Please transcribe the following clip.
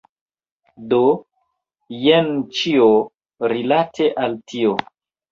Do, jen ĉio, rilate al tio.